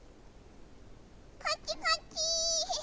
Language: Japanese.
こっちこっち！